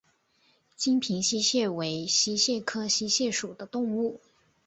金平溪蟹为溪蟹科溪蟹属的动物。